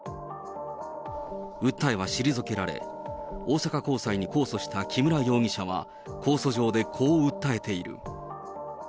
訴えは退けられ、大阪高裁に控訴した木村容疑者は、控訴状でこう訴えている。